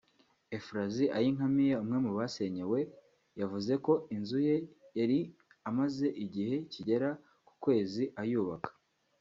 Euphrasie Ayinkamiye umwe mu basenyewe yavuze ko inzu ye yari amaze igihe kigera ku kwezi ayubaka